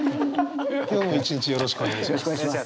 今日も一日よろしくお願いします。